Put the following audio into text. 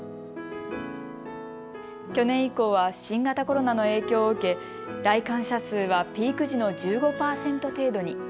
去年以降は新型コロナの影響を受け、来館者数はピーク時の１５％程度に。